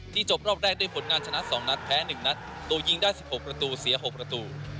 จบรอบแรกด้วยผลงานชนะ๒นัดแพ้๑นัดโดยยิงได้๑๖ประตูเสีย๖ประตู